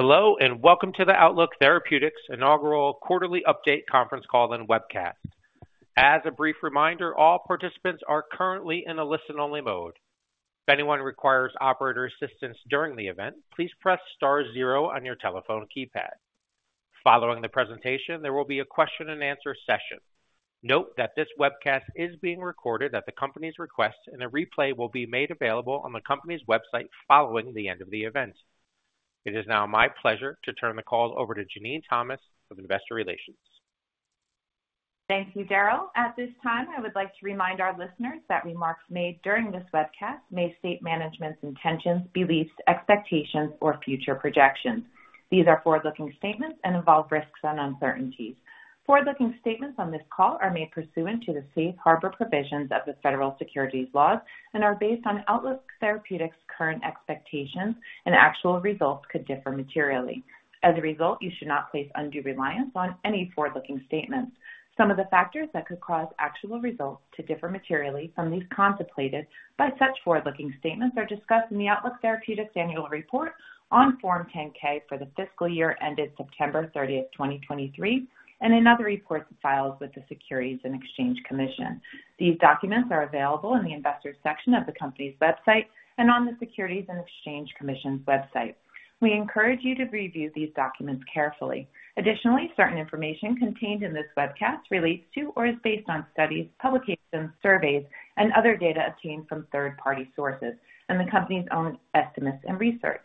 Hello, and welcome to the Outlook Therapeutics Inaugural Quarterly Update conference call and webcast. As a brief reminder, all participants are currently in a listen-only mode. If anyone requires operator assistance during the event, please press star zero on your telephone keypad. Following the presentation, there will be a question and answer session. Note that this webcast is being recorded at the company's request, and a replay will be made available on the company's website following the end of the event. It is now my pleasure to turn the call over to Jenene Thomas of Investor Relations. Thank you, Darryl. At this time, I would like to remind our listeners that remarks made during this webcast may state management's intentions, beliefs, expectations, or future projections. These are forward-looking statements and involve risks and uncertainties. Forward-looking statements on this call are made pursuant to the safe harbor provisions of the Federal Securities laws and are based on Outlook Therapeutics' current expectations, and actual results could differ materially. As a result, you should not place undue reliance on any forward-looking statements. Some of the factors that could cause actual results to differ materially from these contemplated by such forward-looking statements are discussed in the Outlook Therapeutics Annual Report on Form 10-K for the fiscal year ended September 30, 2023, and in other reports filed with the Securities and Exchange Commission. These documents are available in the Investors section of the company's website and on the Securities and Exchange Commission's website. We encourage you to review these documents carefully. Additionally, certain information contained in this webcast relates to or is based on studies, publications, surveys, and other data obtained from third-party sources and the company's own estimates and research.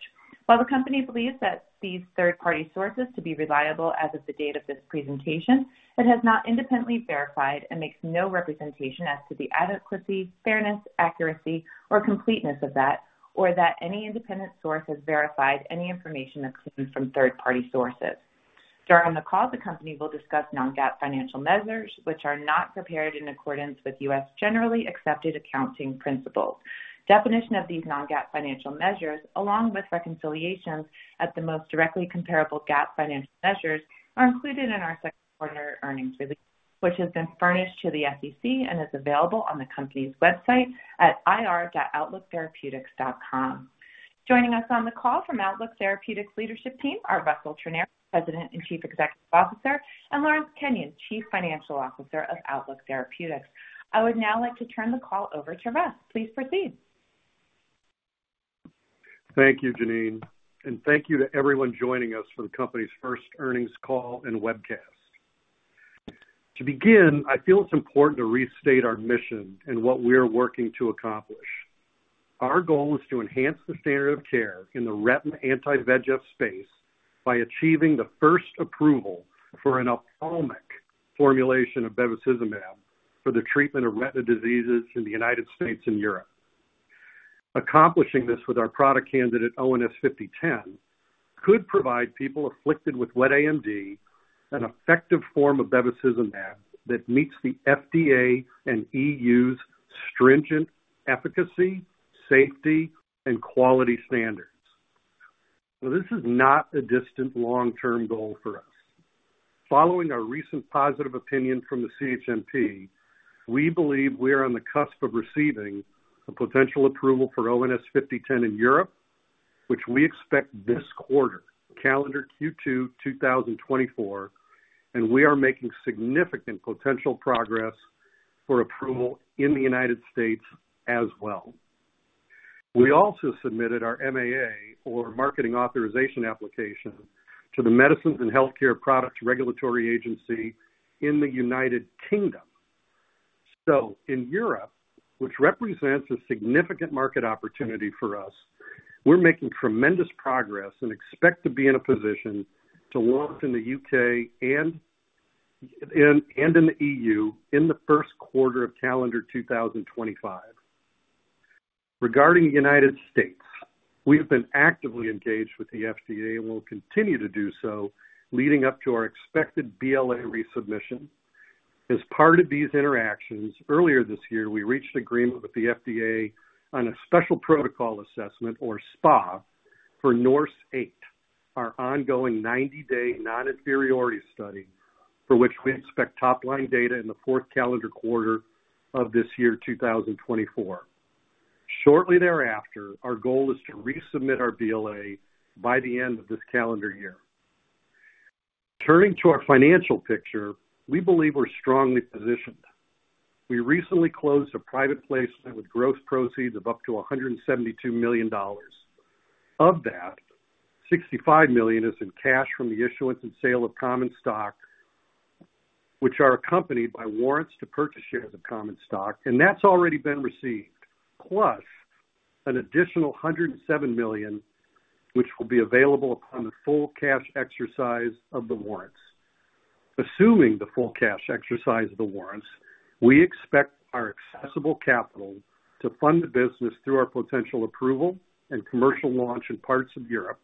While the company believes that these third-party sources to be reliable as of the date of this presentation, it has not independently verified and makes no representation as to the adequacy, fairness, accuracy, or completeness of that, or that any independent source has verified any information obtained from third-party sources. During the call, the company will discuss non-GAAP financial measures, which are not prepared in accordance with U.S. generally accepted accounting principles. Definition of these non-GAAP financial measures, along with reconciliations at the most directly comparable GAAP financial measures, are included in our second quarter earnings release, which has been furnished to the SEC and is available on the company's website at ir.outlooktherapeutics.com. Joining us on the call from Outlook Therapeutics leadership team are Russell Trenary, President and Chief Executive Officer, and Lawrence Kenyon, Chief Financial Officer of Outlook Therapeutics. I would now like to turn the call over to Russ. Please proceed. Thank you, Jenene, and thank you to everyone joining us for the company's first earnings call and webcast. To begin, I feel it's important to restate our mission and what we are working to accomplish. Our goal is to enhance the standard of care in the retina anti-VEGF space by achieving the first approval for an ophthalmic formulation of bevacizumab for the treatment of retina diseases in the United States and Europe. Accomplishing this with our product candidate, ONS-5010, could provide people afflicted with wet AMD an effective form of bevacizumab that meets the FDA and EU's stringent efficacy, safety, and quality standards. Now, this is not a distant long-term goal for us. Following a recent positive opinion from the CHMP, we believe we are on the cusp of receiving a potential approval for ONS-5010 in Europe, which we expect this quarter, calendar Q2, 2024, and we are making significant potential progress for approval in the United States as well. We also submitted our MAA, or marketing authorization application, to the Medicines and Healthcare Products Regulatory Agency in the United Kingdom. So in Europe, which represents a significant market opportunity for us, we're making tremendous progress and expect to be in a position to launch in the U.K. and in the E.U. in the first quarter of calendar 2025. Regarding the United States, we have been actively engaged with the FDA and will continue to do so leading up to our expected BLA resubmission. As part of these interactions, earlier this year, we reached agreement with the FDA on a special protocol assessment, or SPA, for NORSE EIGHT, our ongoing 90-day non-inferiority study, for which we expect top-line data in the fourth calendar quarter of this year, 2024. Shortly thereafter, our goal is to resubmit our BLA by the end of this calendar year. Turning to our financial picture, we believe we're strongly positioned. We recently closed a private placement with gross proceeds of up to $172 million. Of that, $65 million is in cash from the issuance and sale of common stock, which are accompanied by warrants to purchase shares of common stock, and that's already been received. Plus, an additional $107 million, which will be available upon the full cash exercise of the warrants. Assuming the full cash exercise of the warrants, we expect our accessible capital to fund the business through our potential approval and commercial launch in parts of Europe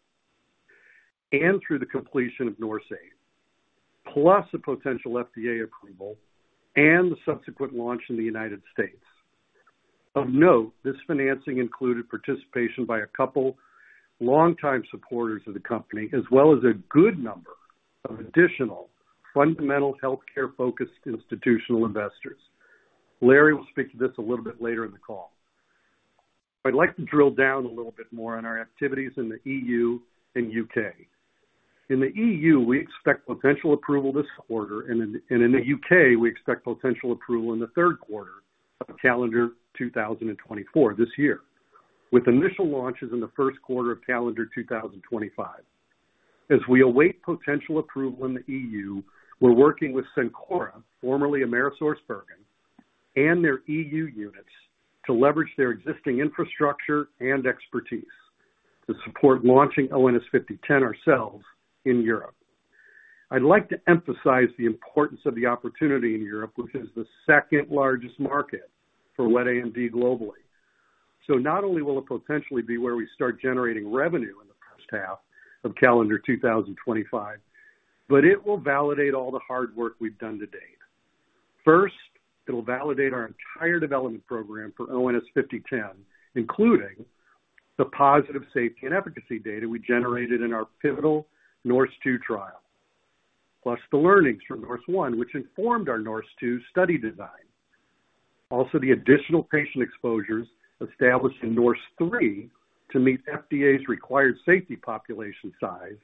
and through the completion of NORSE EIGHT, plus a potential FDA approval and the subsequent launch in the United States. Of note, this financing included participation by a couple long-time supporters of the company, as well as a good number of additional fundamental healthcare-focused institutional investors. Larry will speak to this a little bit later in the call. I'd like to drill down a little bit more on our activities in the EU and U.K. In the EU, we expect potential approval this quarter, and in the U.K., we expect potential approval in the third quarter of calendar 2024, this year, with initial launches in the first quarter of calendar 2025. As we await potential approval in the EU, we're working with Cencora, formerly AmerisourceBergen, and their EU units to leverage their existing infrastructure and expertise to support launching ONS-5010 ourselves in Europe. I'd like to emphasize the importance of the opportunity in Europe, which is the second-largest market for wet AMD globally. So not only will it potentially be where we start generating revenue in the first half of calendar 2025, but it will validate all the hard work we've done to date. First, it'll validate our entire development program for ONS-5010, including the positive safety and efficacy data we generated in our pivotal NORSE TWO trial, plus the learnings from NORSE ONE, which informed our NORSE TWO study design. Also, the additional patient exposures established in NORSE THREE to meet FDA's required safety population size,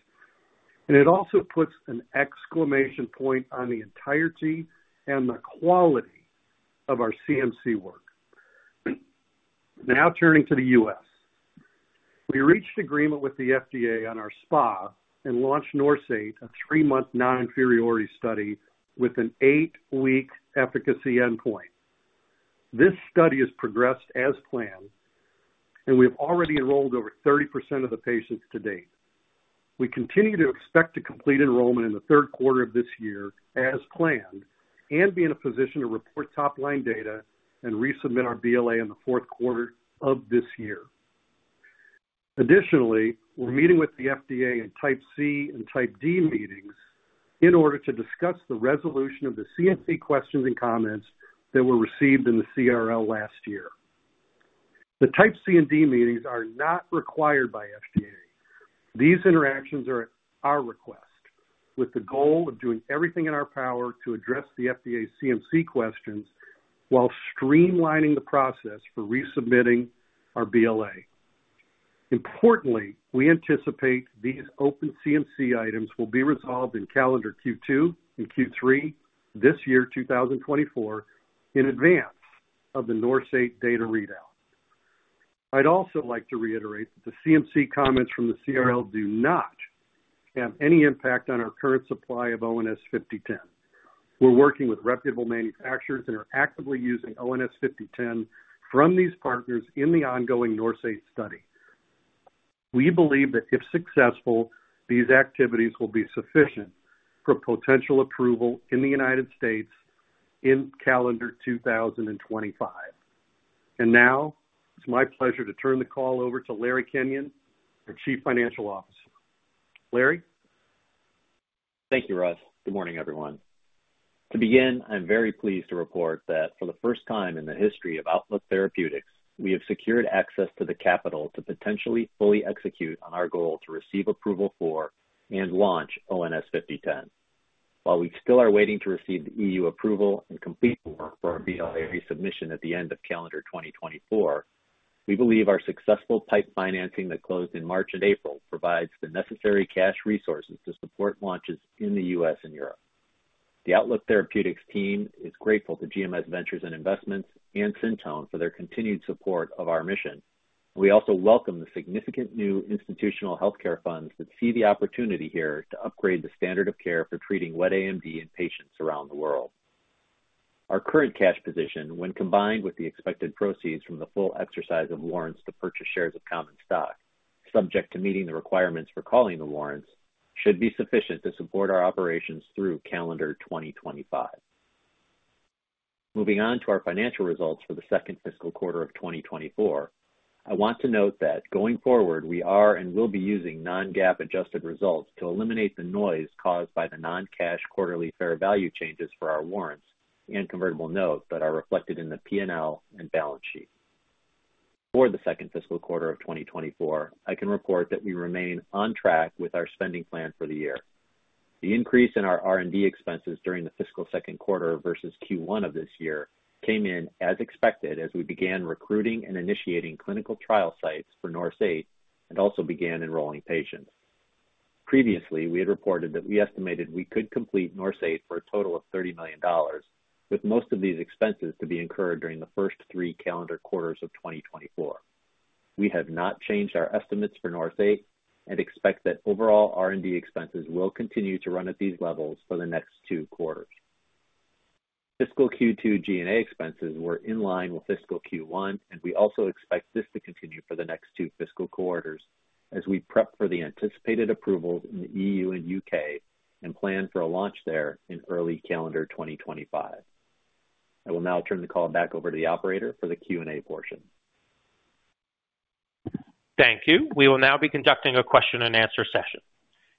and it also puts an exclamation point on the entirety and the quality of our CMC work. Now turning to the U.S. We reached agreement with the FDA on our SPA and launched NORSE, a three-month non-inferiority study with an eight-week efficacy endpoint. This study has progressed as planned, and we have already enrolled over 30% of the patients to date. We continue to expect to complete enrollment in the third quarter of this year as planned and be in a position to report top-line data and resubmit our BLA in the fourth quarter of this year. Additionally, we're meeting with the FDA in Type C and Type D meetings in order to discuss the resolution of the CMC questions and comments that were received in the CRL last year. The Type C and D meetings are not required by FDA. These interactions are at our request, with the goal of doing everything in our power to address the FDA's CMC questions while streamlining the process for resubmitting our BLA. Importantly, we anticipate these open CMC items will be resolved in calendar Q2 and Q3 this year, 2024, in advance of the NORSE data readout. I'd also like to reiterate that the CMC comments from the CRL do not have any impact on our current supply of ONS-5010. We're working with reputable manufacturers and are actively using ONS-5010 from these partners in the ongoing NORSE study. We believe that if successful, these activities will be sufficient for potential approval in the United States in calendar 2025. Now, it's my pleasure to turn the call over to Larry Kenyon, our Chief Financial Officer. Larry? Thank you, Russ. Good morning, everyone. To begin, I'm very pleased to report that for the first time in the history of Outlook Therapeutics, we have secured access to the capital to potentially fully execute on our goal to receive approval for and launch ONS-5010. While we still are waiting to receive the EU approval and complete work for our BLA resubmission at the end of calendar 2024, we believe our successful PIPE financing that closed in March and April provides the necessary cash resources to support launches in the U.S. and Europe. The Outlook Therapeutics team is grateful to GMS Ventures and Investments and Syntone for their continued support of our mission. We also welcome the significant new institutional healthcare funds that see the opportunity here to upgrade the standard of care for treating wet AMD in patients around the world. Our current cash position, when combined with the expected proceeds from the full exercise of warrants to purchase shares of common stock, subject to meeting the requirements for calling the warrants, should be sufficient to support our operations through calendar 2025. Moving on to our financial results for the second fiscal quarter of 2024, I want to note that going forward, we are and will be using non-GAAP adjusted results to eliminate the noise caused by the non-cash quarterly fair value changes for our warrants and convertible notes that are reflected in the P&L and balance sheet. For the second fiscal quarter of 2024, I can report that we remain on track with our spending plan for the year. The increase in our R&D expenses during the fiscal second quarter versus Q1 of this year came in as expected, as we began recruiting and initiating clinical trial sites for NORSE EIGHT and also began enrolling patients. Previously, we had reported that we estimated we could complete NORSE EIGHT for a total of $30 million, with most of these expenses to be incurred during the first three calendar quarters of 2024. We have not changed our estimates for NORSE EIGHT and expect that overall R&D expenses will continue to run at these levels for the next two quarters. Fiscal Q2 G&A expenses were in line with fiscal Q1, and we also expect this to continue for the next two fiscal quarters as we prep for the anticipated approvals in the EU and UK and plan for a launch there in early calendar 2025. I will now turn the call back over to the operator for the Q&A portion. Thank you. We will now be conducting a question-and-answer session.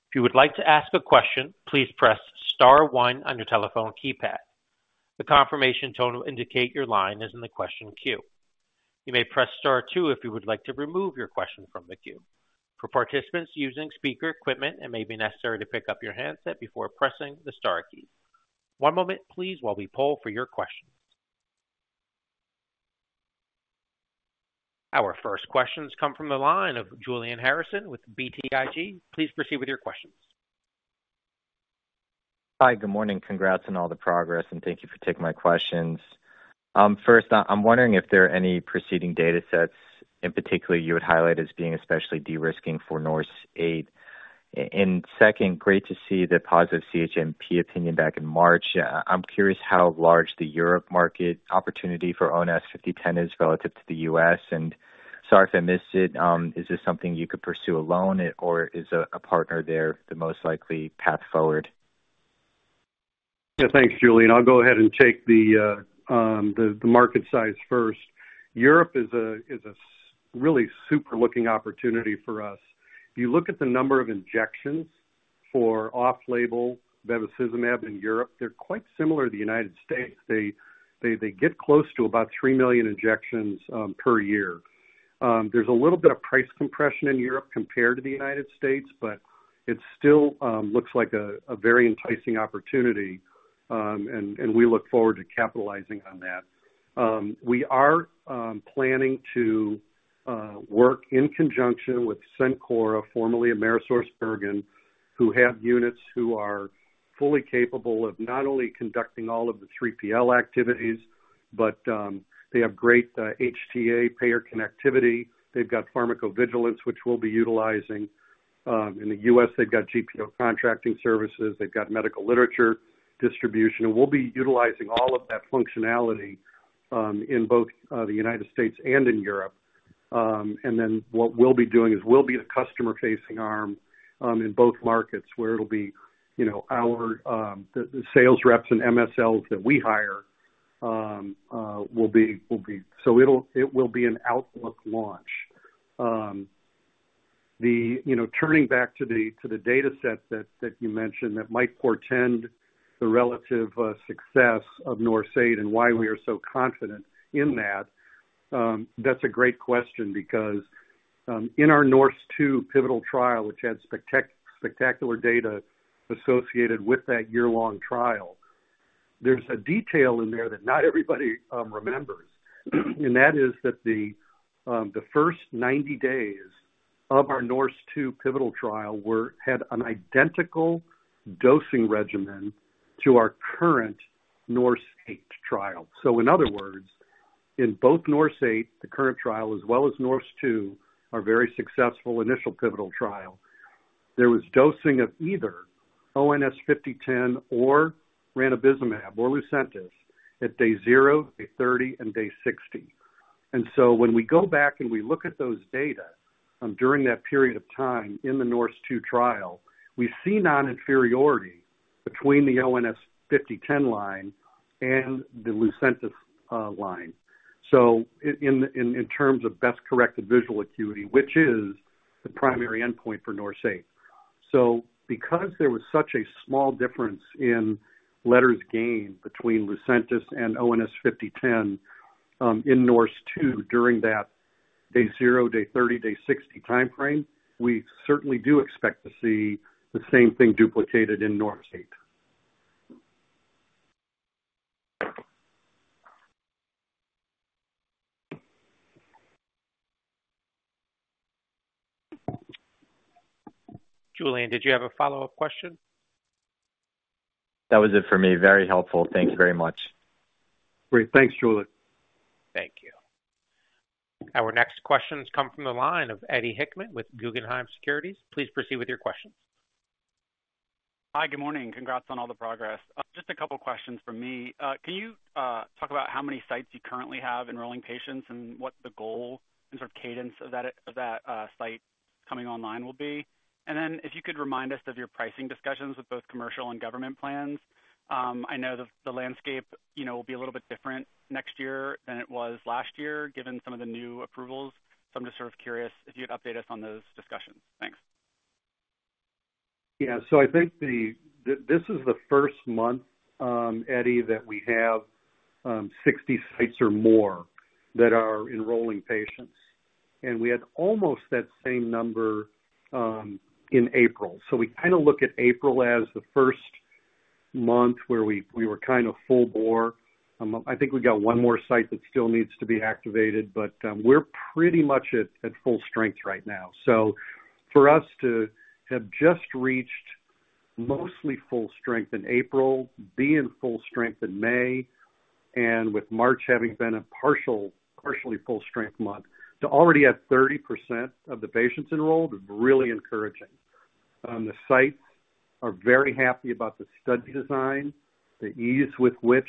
If you would like to ask a question, please press star one on your telephone keypad. The confirmation tone will indicate your line is in the question queue. You may press star two if you would like to remove your question from the queue. For participants using speaker equipment, it may be necessary to pick up your handset before pressing the star key. One moment, please, while we poll for your questions. Our first questions come from the line of Julian Harrison with BTIG. Please proceed with your questions. Hi, good morning. Congrats on all the progress, and thank you for taking my questions. First, I'm wondering if there are any preceding data sets in particular you would highlight as being especially de-risking for NORSE EIGHT. And second, great to see the positive CHMP opinion back in March. I'm curious how large the Europe market opportunity for ONS-5010 is relative to the U.S., and sorry if I missed it, is this something you could pursue alone or is a partner there the most likely path forward? Yeah, thanks, Julian. I'll go ahead and take the market size first. Europe is a really super looking opportunity for us. If you look at the number of injections for off-label bevacizumab in Europe, they're quite similar to the United States. They get close to about 3 million injections per year. There's a little bit of price compression in Europe compared to the United States, but it still looks like a very enticing opportunity, and we look forward to capitalizing on that. We are planning to work in conjunction with Cencora, formerly AmerisourceBergen, who have units who are fully capable of not only conducting all of the 3PL activities, but they have great HTA payer connectivity. They've got pharmacovigilance, which we'll be utilizing. In the U.S., they've got GPO contracting services. They've got medical literature distribution, and we'll be utilizing all of that functionality in both the United States and in Europe. And then what we'll be doing is we'll be the customer-facing arm in both markets, where it'll be, you know, our sales reps and MSLs that we hire will be. So it'll be an Outlook launch. You know, turning back to the data set that you mentioned, that might portend the relative success of NORSE EIGHT and why we are so confident in that. That's a great question because in our NORSE TWO pivotal trial, which had spectacular data associated with that year-long trial, there's a detail in there that not everybody remembers. That is that the first 90 days of our NORSE TWO pivotal trial had an identical dosing regimen to our current NORSE EIGHT trial. So in other words, in both NORSE EIGHT, the current trial, as well as NORSE TWO, our very successful initial pivotal trial, there was dosing of either ONS-5010 or ranibizumab or Lucentis at day zero, day 30, and day 60. And so when we go back and we look at those data, during that period of time in the NORSE TWO trial, we see non-inferiority between the ONS-5010 line and the Lucentis line. So in terms of best-corrected visual acuity, which is the primary endpoint for NORSE EIGHT. So because there was such a small difference in letters gained between Lucentis and ONS-5010, in NORSE TWO, during that day zero, day 30, day 60 time frame, we certainly do expect to see the same thing duplicated in NORSE EIGHT. Julian, did you have a follow-up question? That was it for me. Very helpful. Thank you very much. Great. Thanks, Julian. Thank you. Our next questions come from the line of Eddie Hickman with Guggenheim Securities. Please proceed with your questions. Hi, good morning. Congrats on all the progress. Just a couple questions from me. Can you talk about how many sites you currently have enrolling patients and what the goal and sort of cadence of that site coming online will be? And then if you could remind us of your pricing discussions with both commercial and government plans. I know the landscape, you know, will be a little bit different next year than it was last year, given some of the new approvals. So I'm just sort of curious if you'd update us on those discussions. Thanks. Yeah. So I think this is the first month, Eddie, that we have 60 sites or more that are enrolling patients. And we had almost that same number in April. So we kinda look at April as the first month where we were kind of full bore. I think we got one more site that still needs to be activated, but we're pretty much at full strength right now. So for us to have just reached mostly full strength in April, be in full strength in May, and with March having been a partially full strength month, to already have 30% of the patients enrolled is really encouraging. The sites are very happy about the study design, the ease with which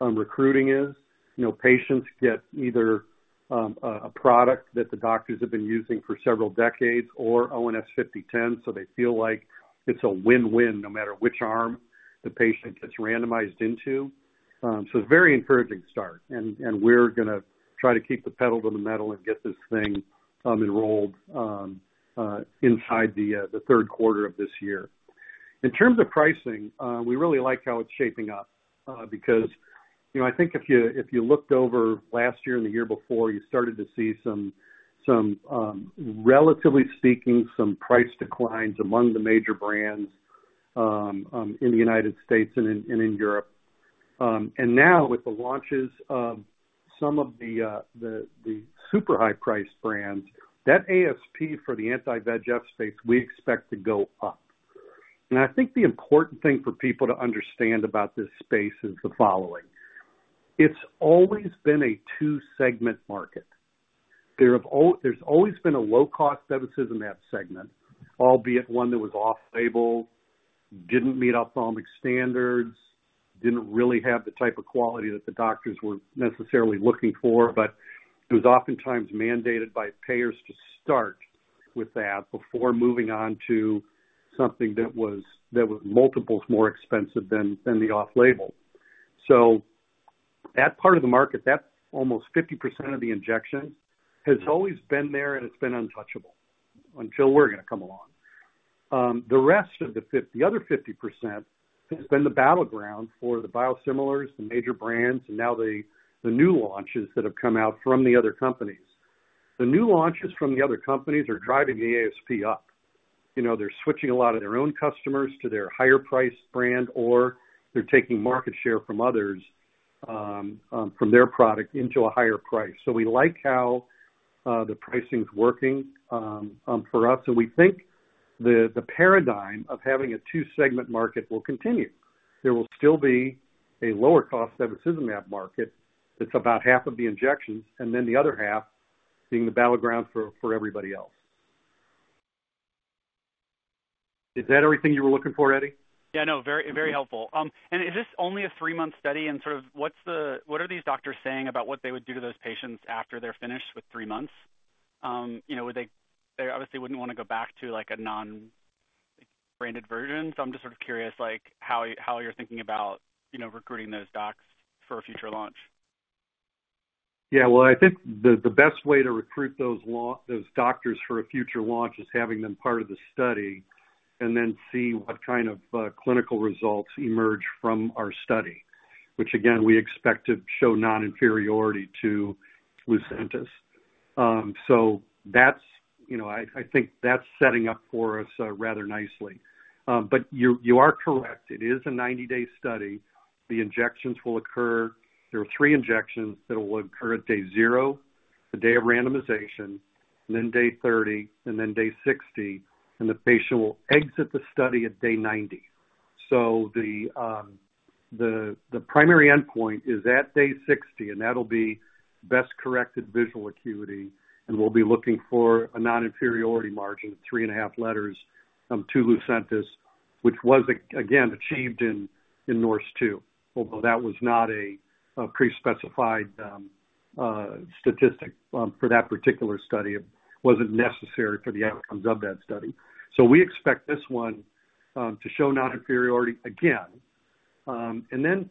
recruiting is. You know, patients get either a product that the doctors have been using for several decades or ONS-5010, so they feel like it's a win-win, no matter which arm the patient gets randomized into. So it's a very encouraging start, and we're gonna try to keep the pedal to the metal and get this thing enrolled inside the third quarter of this year. In terms of pricing, we really like how it's shaping up, because, you know, I think if you looked over last year and the year before, you started to see some, relatively speaking, some price declines among the major brands in the United States and in Europe. And now with the launches of some of the super high price brands, that ASP for the anti-VEGF space, we expect to go up. And I think the important thing for people to understand about this space is the following: It's always been a two-segment market. There's always been a low-cost bevacizumab segment, albeit one that was off-label, didn't meet ophthalmic standards, didn't really have the type of quality that the doctors were necessarily looking for, but it was oftentimes mandated by payers to start with that before moving on to something that was multiples more expensive than the off-label. So that part of the market, that's almost 50% of the injection, has always been there and it's been untouchable until we're gonna come along. The rest of the other 50% has been the battleground for the biosimilars, the major brands, and now the new launches that have come out from the other companies. The new launches from the other companies are driving the ASP up. You know, they're switching a lot of their own customers to their higher price brand, or they're taking market share from others, from their product into a higher price. So we like how the pricing's working for us, and we think the paradigm of having a two-segment market will continue. There will still be a lower cost bevacizumab market that's about half of the injections, and then the other half being the battleground for everybody else. Is that everything you were looking for, Eddie? Yeah, no, very, very helpful. And is this only a three-month study? And sort of what are these doctors saying about what they would do to those patients after they're finished with three months? You know, would they, they obviously wouldn't wanna go back to, like, a non-branded version. So I'm just sort of curious, like, how you're thinking about, you know, recruiting those docs for a future launch. Yeah. Well, I think the best way to recruit those doctors for a future launch is having them part of the study and then see what kind of clinical results emerge from our study, which again, we expect to show non-inferiority to Lucentis. So that's, you know, I think that's setting up for us rather nicely. But you are correct. It is a 90-day study. The injections will occur. There are three injections that will occur at day zero, the day of randomization, and then day 30, and then day 60, and the patient will exit the study at day 90. So the primary endpoint is at day 60, and that'll be best corrected visual acuity, and we'll be looking for a non-inferiority margin of 3.5 letters to Lucentis, which was again achieved in NORSE TWO, although that was not a pre-specified statistic for that particular study. It wasn't necessary for the outcomes of that study. So we expect this one to show non-inferiority again. And then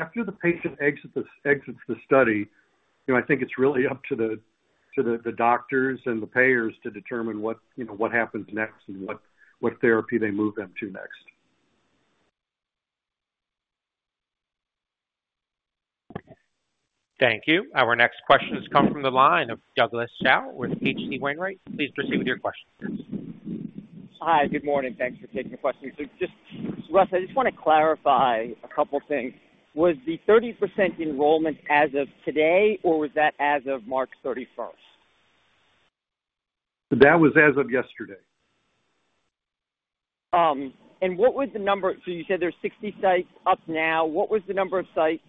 after the patient exits the study, you know, I think it's really up to the doctors and the payers to determine what, you know, what happens next and what therapy they move them to next. Thank you. Our next question has come from the line of Douglas Tsao with H.C. Wainwright. Please proceed with your question. Hi, good morning. Thanks for taking the question. So just, Russ, I just wanna clarify a couple things. Was the 30% enrollment as of today, or was that as of March 31st? That was as of yesterday. And what was the number. So you said there's 60 sites up now. What was the number of sites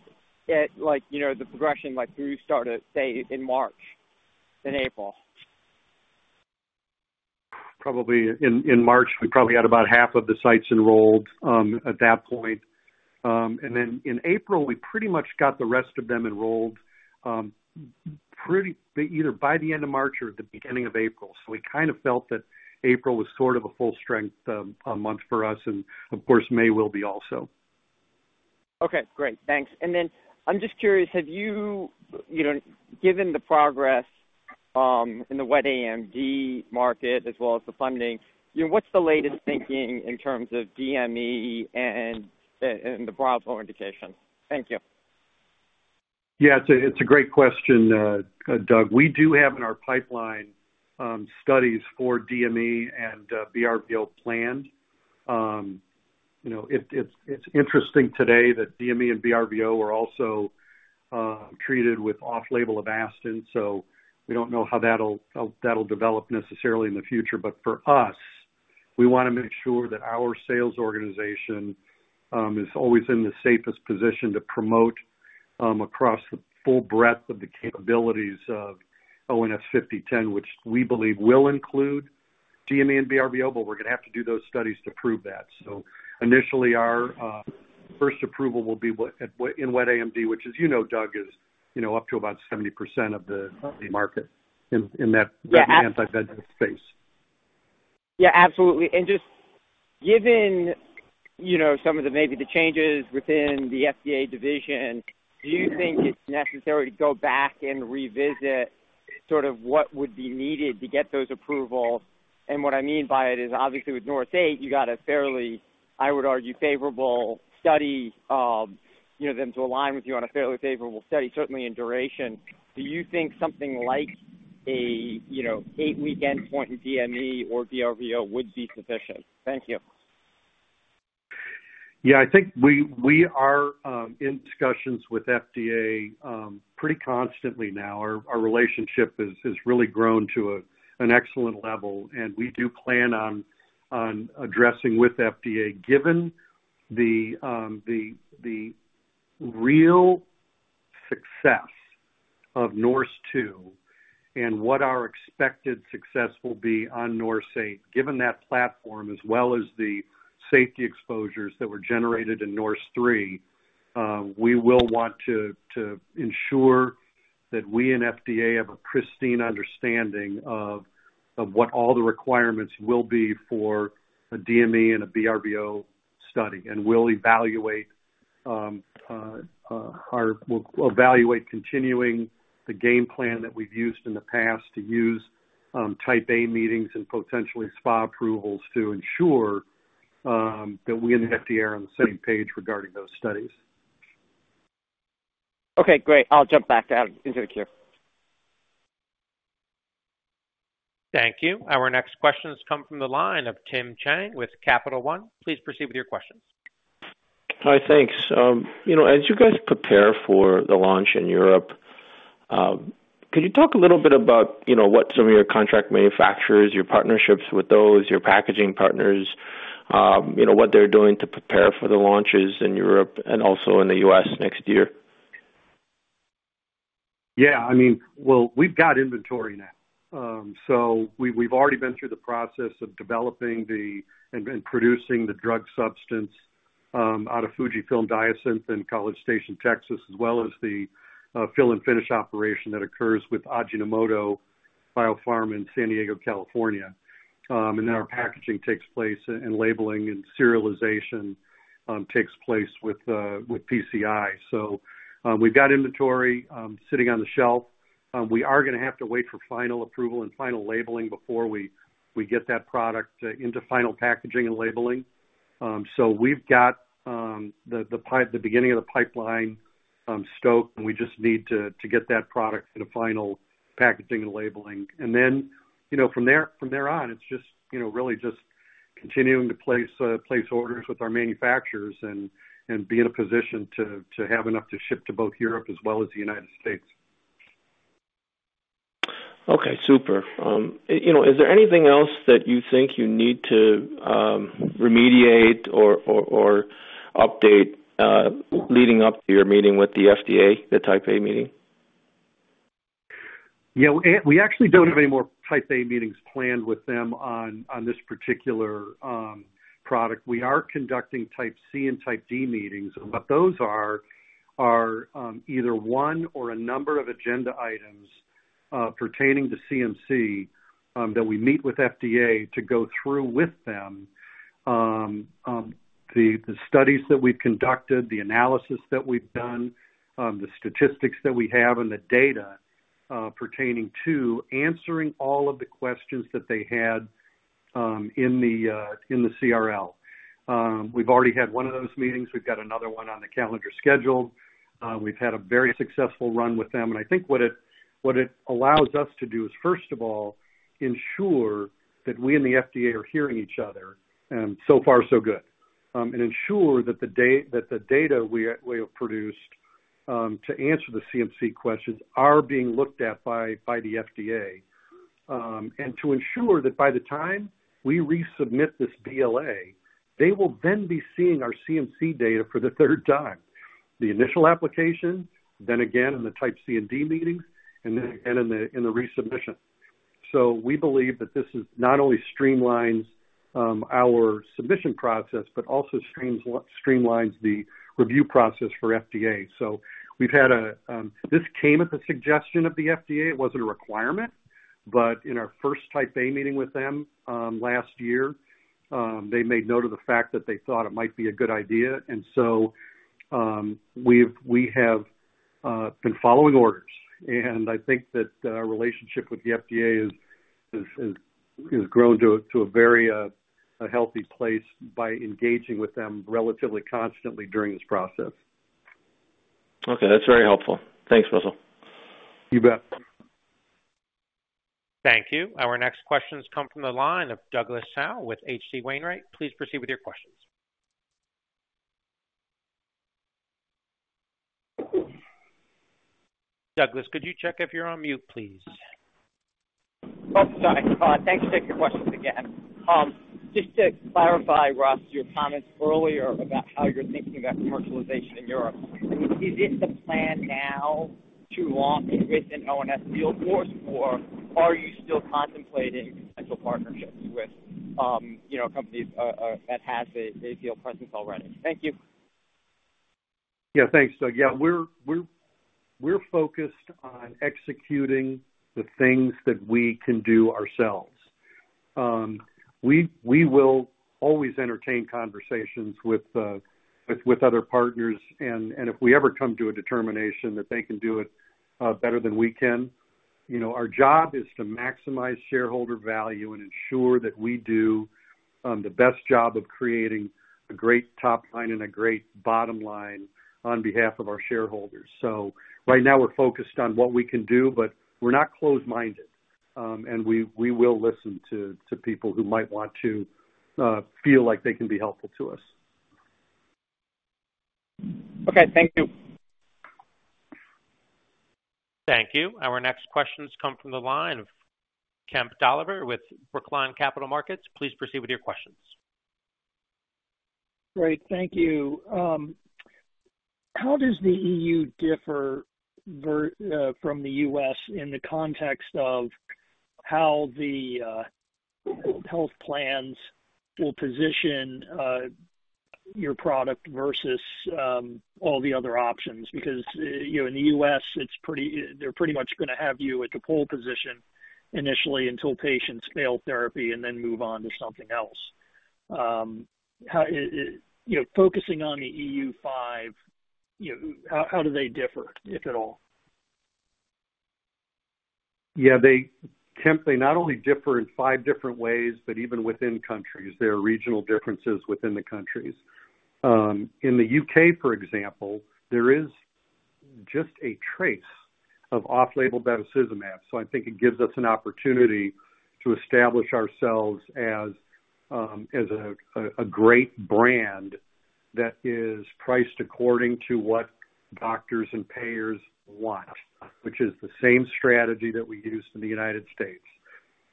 at, like, you know, the progression, like, when you started, say, in March and April? Probably in March, we probably had about half of the sites enrolled at that point. And then in April, we pretty much got the rest of them enrolled pretty either by the end of March or at the beginning of April. So we kind of felt that April was sort of a full strength month for us, and of course, May will be also. Okay, great. Thanks. And then I'm just curious, have you, you know, given the progress in the wet AMD market as well as the funding, you know, what's the latest thinking in terms of DME and and the broader indications? Thank you. Yeah, it's a, it's a great question, Doug. We do have in our pipeline, studies for DME and, BRVO planned. You know, it, it's, it's interesting today that DME and BRVO are also, treated with off-label Avastin, so we don't know how that'll, that'll develop necessarily in the future. But for us, we wanna make sure that our sales organization, is always in the safest position to promote, across the full breadth of the capabilities of ONS-5010, which we believe will include DME and BRVO, but we're gonna have to do those studies to prove that. So initially, our, first approval will be in wet AMD, which, as you know, Doug, is, you know, up to about 70% of the market in that- Yeah. anti-VEGF space. Yeah, absolutely. And just given you know, some of the, maybe the changes within the FDA division, do you think it's necessary to go back and revisit sort of what would be needed to get those approvals? And what I mean by it is, obviously, with NORSE EIGHT, you got a fairly, I would argue, favorable study, you know, them to align with you on a fairly favorable study, certainly in duration. Do you think something like a, you know, eight-week endpoint DME or BRVO would be sufficient? Thank you. Yeah, I think we are in discussions with FDA pretty constantly now. Our relationship has really grown to an excellent level, and we do plan on addressing with FDA, given the real success of NORSE TWO and what our expected success will be on NORSE EIGHT, given that platform, as well as the safety exposures that were generated in NORSE THREE. We will want to ensure that we and FDA have a pristine understanding of what all the requirements will be for a DME and a BRVO study. And we'll evaluate continuing the game plan that we've used in the past to use Type A meetings and potentially SPA approvals to ensure that we and the FDA are on the same page regarding those studies. Okay, great. I'll jump back out into the queue. Thank you. Our next questions come from the line of Tim Chiang with Capital One. Please proceed with your questions. Hi. Thanks. You know, as you guys prepare for the launch in Europe, could you talk a little bit about, you know, what some of your contract manufacturers, your partnerships with those, your packaging partners, you know, what they're doing to prepare for the launches in Europe and also in the U.S. next year? Yeah, I mean, well, we've got inventory now. So we've already been through the process of developing and producing the drug substance out of FUJIFILM Diosynth in College Station, Texas, as well as the fill and finish operation that occurs with Ajinomoto Bio-Pharma in San Diego, California. And then our packaging takes place and labeling and serialization takes place with PCI. So we've got inventory sitting on the shelf. We are gonna have to wait for final approval and final labeling before we get that product into final packaging and labeling. So we've got the beginning of the pipeline stoked, and we just need to get that product in a final packaging and labeling. Then, you know, from there on, it's just, you know, really just continuing to place orders with our manufacturers and be in a position to have enough to ship to both Europe as well as the United States. Okay, super. You know, is there anything else that you think you need to remediate or update, leading up to your meeting with the FDA, the Type A meeting? Yeah, we actually don't have any more Type A meetings planned with them on this particular product. We are conducting Type C and Type D meetings, and what those are are either one or a number of agenda items pertaining to CMC that we meet with FDA to go through with them the studies that we've conducted, the analysis that we've done, the statistics that we have, and the data pertaining to answering all of the questions that they had in the CRL. We've already had one of those meetings. We've got another one on the calendar scheduled. We've had a very successful run with them, and I think what it allows us to do is, first of all, ensure that we and the FDA are hearing each other, and so far so good. And ensure that the data we have produced to answer the CMC questions are being looked at by the FDA. And to ensure that by the time we resubmit this BLA, they will then be seeing our CMC data for the third time, the initial application, then again in the Type C and D meetings, and then again in the resubmission. So we believe that this is not only streamlines our submission process, but also streamlines the review process for FDA. So we've had a, this came at the suggestion of the FDA. It wasn't a requirement, but in our first Type A meeting with them last year, they made note of the fact that they thought it might be a good idea, and so, we have been following orders, and I think that our relationship with the FDA is grown to a very healthy place by engaging with them relatively constantly during this process. Okay. That's very helpful. Thanks, Russell. You bet. Thank you. Our next questions come from the line of Douglas Tsao with H.C. Wainwright. Please proceed with your questions. Douglas, could you check if you're on mute, please? Oh, sorry. Thanks. Take your questions again. Just to clarify, Russ, your comments earlier about how you're thinking about commercialization in Europe. I mean, is it the plan now to launch with an ONS field force, or are you still contemplating potential partnerships with, you know, companies that has a field presence already? Thank you. Yeah, thanks, Doug. Yeah, we're focused on executing the things that we can do ourselves. We will always entertain conversations with other partners, and if we ever come to a determination that they can do it better than we can, you know, our job is to maximize shareholder value and ensure that we do the best job of creating a great top line and a great bottom line on behalf of our shareholders. So right now we're focused on what we can do, but we're not closed-minded. And we will listen to people who might want to feel like they can be helpful to us. Okay. Thank you. Thank you. Our next questions come from the line of Kemp Dolliver with Brookline Capital Markets. Please proceed with your questions. Great. Thank you. How does the EU differ from the U.S. in the context of how the health plans will position your product versus all the other options? Because, you know, in the U.S. it's pretty—they're pretty much gonna have you at the pole position initially until patients fail therapy and then move on to something else. You know, focusing on the EU5, you know, how do they differ, if at all? Yeah, Kemp, they not only differ in five different ways, but even within countries, there are regional differences within the countries. In the U.K., for example, there is just a trace of off-label bevacizumab. So I think it gives us an opportunity to establish ourselves as a great brand that is priced according to what doctors and payers want, which is the same strategy that we use in the United States.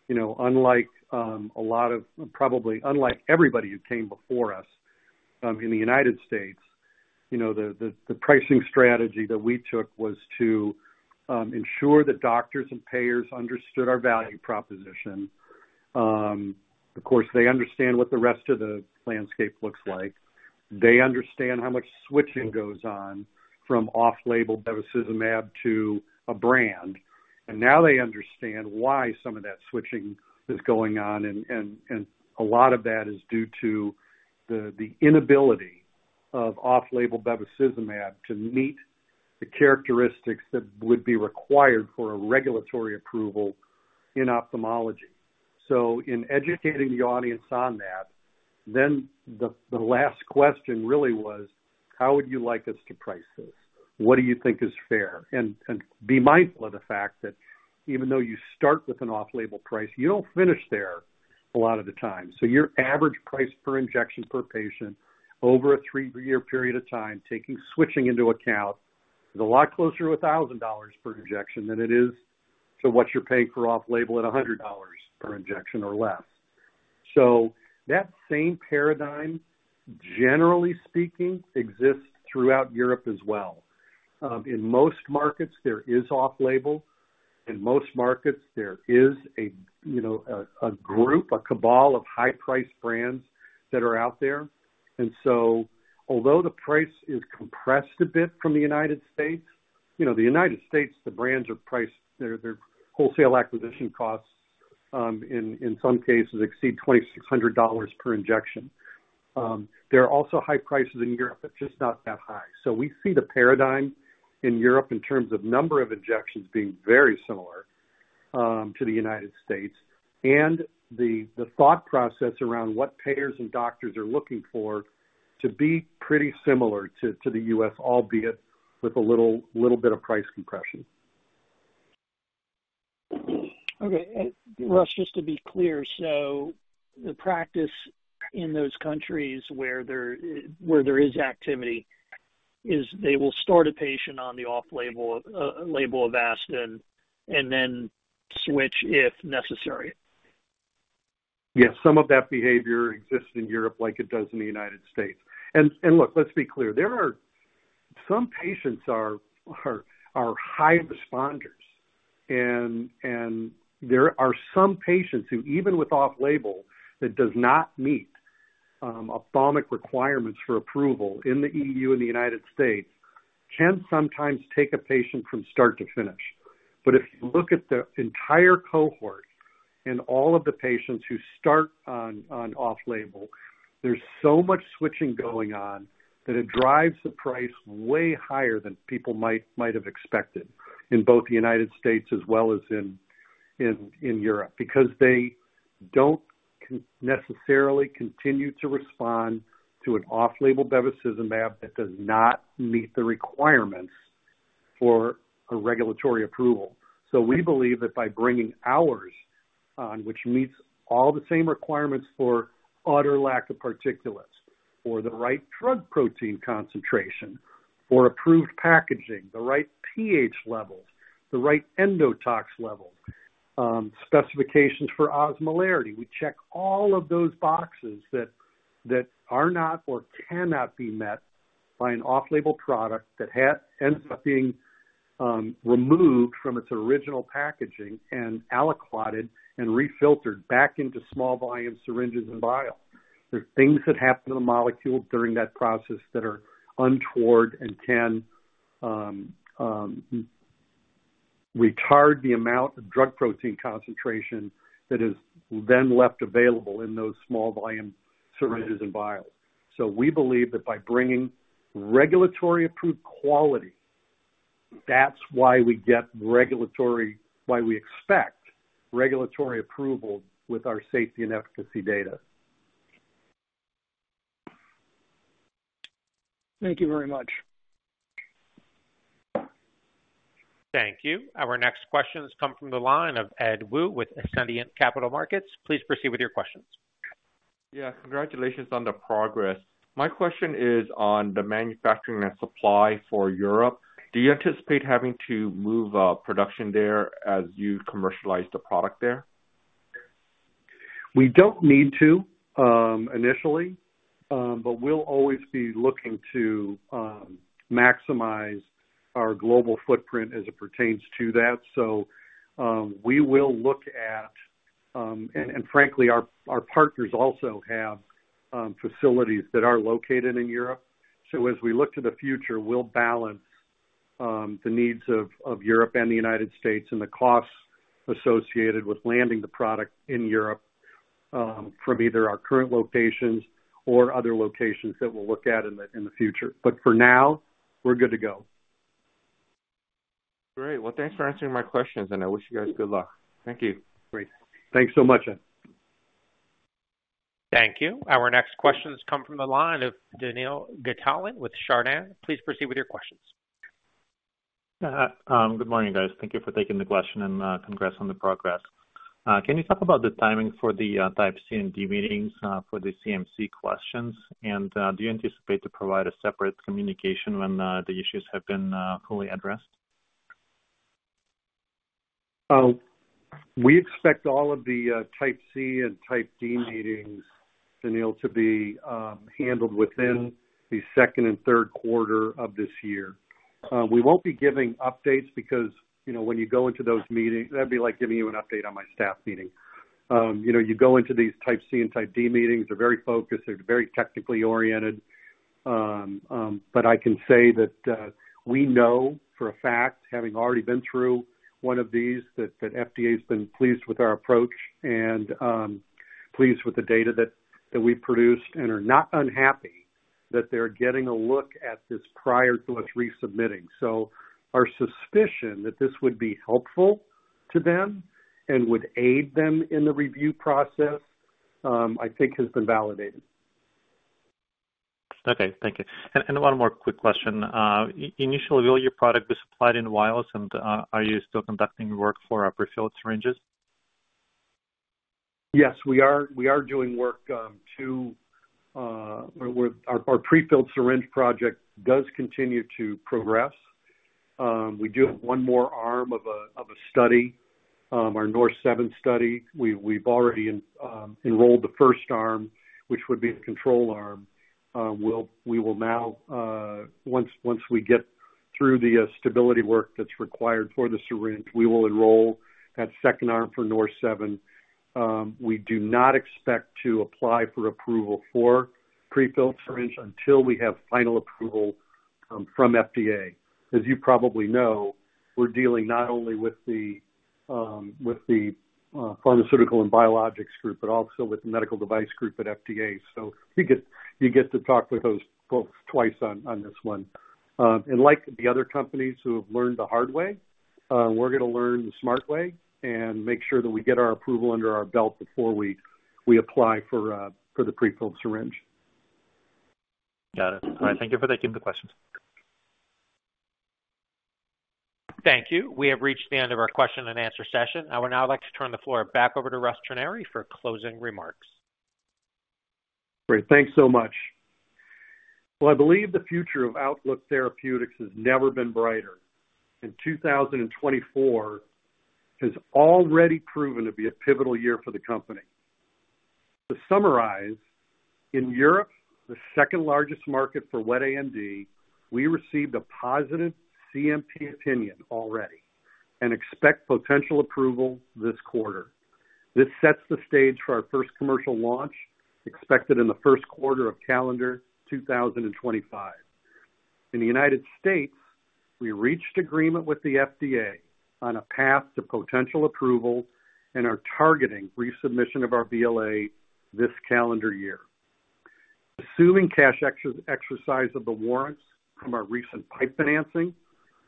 You know, unlike a lot of, probably, unlike everybody who came before us, in the United States, you know, the pricing strategy that we took was to ensure that doctors and payers understood our value proposition. Of course, they understand what the rest of the landscape looks like. They understand how much switching goes on from off-label bevacizumab to a brand, and now they understand why some of that switching is going on. And a lot of that is due to the inability of off-label bevacizumab to meet the characteristics that would be required for a regulatory approval in ophthalmology. So in educating the audience on that, then the last question really was, how would you like us to price this? What do you think is fair? And be mindful of the fact that even though you start with an off-label price, you don't finish there a lot of the time. So your average price per injection per patient over a three-year period of time, taking switching into account, is a lot closer to $1,000 per injection than it is to what you're paying for off-label at $100 per injection or less. So that same paradigm, generally speaking, exists throughout Europe as well. In most markets, there is off-label. In most markets, there is, you know, a group, a cabal of high-price brands that are out there. And so although the price is compressed a bit from the United States, you know, the United States, the brands are priced, their wholesale acquisition costs, in some cases exceed $2,600 per injection. There are also high prices in Europe, but just not that high. So we see the paradigm in Europe in terms of number of injections being very similar to the United States and the thought process around what payers and doctors are looking for to be pretty similar to the US, albeit with a little bit of price compression. Okay. Russ, just to be clear, so the practice in those countries where there is activity is they will start a patient on the off-label Avastin and then switch if necessary? Yes, some of that behavior exists in Europe like it does in the United States. Look, let's be clear. There are some patients are high responders, and there are some patients who, even with off-label that does not meet ophthalmic requirements for approval in the EU and the United States, can sometimes take a patient from start to finish. But if you look at the entire cohort and all of the patients who start on off-label, there's so much switching going on that it drives the price way higher than people might have expected in both the United States as well as in Europe, because they don't necessarily continue to respond to an off-label bevacizumab that does not meet the requirements for a regulatory approval. So we believe that by bringing ours on, which meets all the same requirements for utter lack of particulates or the right drug protein concentration or approved packaging, the right pH levels, the right endotoxin levels, specifications for osmolarity, we check all of those boxes that, that are not or cannot be met by an off-label product that ends up being removed from its original packaging and aliquoted and refiltered back into small volume syringes and vials. There's things that happen to the molecule during that process that are untoward and can retard the amount of drug protein concentration that is then left available in those small volume syringes and vials. So we believe that by bringing regulatory approved quality, that's why we expect regulatory approval with our safety and efficacy data. Thank you very much. Thank you. Our next questions come from the line of Ed Woo with Ascendiant Capital Markets. Please proceed with your questions. Yeah, congratulations on the progress. My question is on the manufacturing and supply for Europe. Do you anticipate having to move production there as you commercialize the product there? We don't need to initially, but we'll always be looking to maximize our global footprint as it pertains to that. So, we will look at, and frankly, our partners also have facilities that are located in Europe. So as we look to the future, we'll balance the needs of Europe and the United States, and the costs associated with landing the product in Europe, from either our current locations or other locations that we'll look at in the future. But for now, we're good to go. Great. Well, thanks for answering my questions, and I wish you guys good luck. Thank you. Great. Thanks so much, Ed. Thank you. Our next questions come from the line of Daniil Gataulin with Chardan. Please proceed with your questions. Good morning, guys. Thank you for taking the question and, congrats on the progress. Can you talk about the timing for the Type C and D meetings for the CMC questions? And do you anticipate to provide a separate communication when the issues have been fully addressed? We expect all of the type C and type D meetings, Daniil, to be handled within the second and third quarter of this year. We won't be giving updates because, you know, when you go into those meetings, that'd be like giving you an update on my staff meeting. You know, you go into these Type C and Type D meetings, they're very focused, they're very technically oriented. But I can say that we know for a fact, having already been through one of these, that FDA's been pleased with our approach and pleased with the data that we've produced and are not unhappy that they're getting a look at this prior to us resubmitting. So our suspicion that this would be helpful to them and would aid them in the review process, I think has been validated. Okay. Thank you. And one more quick question. Initially, will your product be supplied in vials, and are you still conducting work for prefilled syringes? Yes, we are. We are doing work. Our prefilled syringe project does continue to progress. We do have one more arm of a study, our NORSE SEVEN study. We've already enrolled the first arm, which would be the control arm. We will now, once we get through the stability work that's required for the syringe, we will enroll that second arm for NORSE SEVEN. We do not expect to apply for approval for prefilled syringe until we have final approval from FDA. As you probably know, we're dealing not only with the pharmaceutical and biologics group, but also with the medical device group at FDA. So you get to talk with those folks twice on this one. Like the other companies who have learned the hard way, we're gonna learn the smart way and make sure that we get our approval under our belt before we apply for the prefilled syringe. Got it. All right. Thank you for taking the questions. Thank you. We have reached the end of our question and answer session. I would now like to turn the floor back over to Russ Trenary for closing remarks. Great. Thanks so much. Well, I believe the future of Outlook Therapeutics has never been brighter, and 2024 has already proven to be a pivotal year for the company. To summarize, in Europe, the second-largest market for wet AMD, we received a positive CHMP opinion already and expect potential approval this quarter. This sets the stage for our first commercial launch, expected in the first quarter of calendar 2025. In the United States, we reached agreement with the FDA on a path to potential approval and are targeting resubmission of our BLA this calendar year. Assuming cash exercise of the warrants from our recent PIPE financing,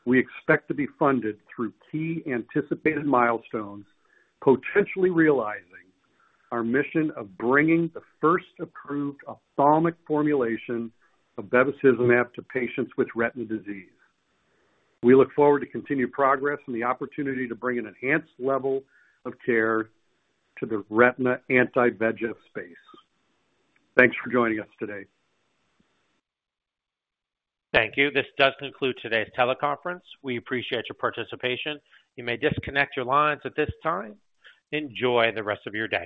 we expect to be funded through key anticipated milestones, potentially realizing our mission of bringing the first approved ophthalmic formulation of bevacizumab to patients with retinal disease. We look forward to continued progress and the opportunity to bring an enhanced level of care to the retina anti-VEGF space. Thanks for joining us today. Thank you. This does conclude today's teleconference. We appreciate your participation. You may disconnect your lines at this time. Enjoy the rest of your day.